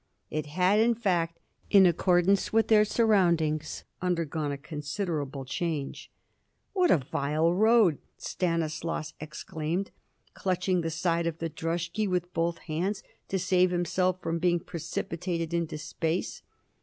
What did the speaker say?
It had, in fact, in accordance with their surroundings, undergone a considerable change. "What a vile road!" Stanislaus exclaimed, clutching the side of the droshky with both hands to save himself from being precipitated into space.